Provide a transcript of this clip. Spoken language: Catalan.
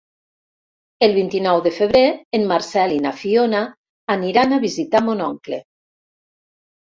El vint-i-nou de febrer en Marcel i na Fiona aniran a visitar mon oncle.